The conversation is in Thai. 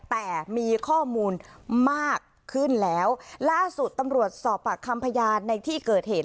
แต่มีข้อมูลมากขึ้นแล้วล่าสุดตำรวจสอบปากคำพยานในที่เกิดเหตุ